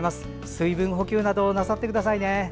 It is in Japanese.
水分補給などなさってくださいね。